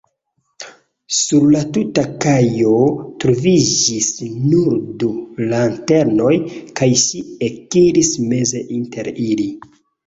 Sur la tuta kajo troviĝis nur du lanternoj, kaj ŝi ekiris meze inter ili.